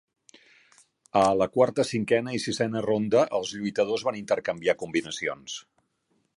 A la quarta, cinquena i sisena ronda, els lluitadors van intercanviar combinacions.